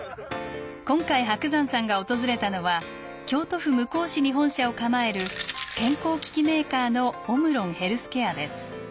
今回伯山さんが訪れたのは京都府向日市に本社を構える健康機器メーカーのオムロンヘルスケアです。